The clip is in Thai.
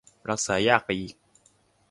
รักษายากไปอีก